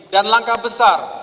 dan langkah besar